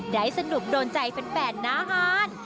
ได้สนุกโดนใจแฟนหน้าฮาน